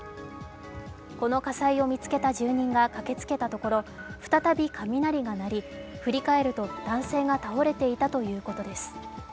この火災を見つけた住人が駆けつけたところ再び雷が鳴り振り返ると、男性が倒れていたということです。